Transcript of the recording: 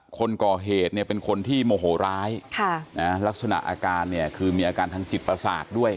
คนก่อเหตุเนี่ยเป็นคนที่โมโหร้ายลักษณะอาการเนี่ยคือมีอาการทางจิตประสาทด้วย